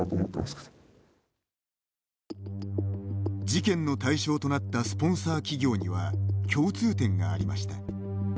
事件の対象となったスポンサー企業には共通点がありました。